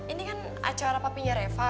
ini kan acara papinya reva